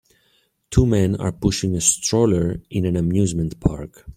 Two men are pushing a stroller in an amusement park.